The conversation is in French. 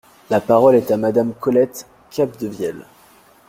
La parole est à Madame Colette Capdevielle.